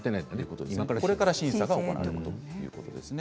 これから審査が行われるということです。